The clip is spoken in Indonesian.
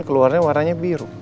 keluarnya warnanya biru